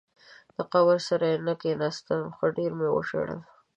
د قبر سر ته یې کېناستم، ښه ډېر مې وژړل.